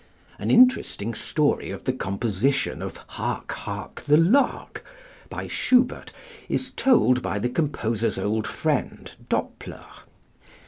An interesting story of the composition of "Hark, hark, the lark," by Schubert, is told by the composer's old friend Doppler.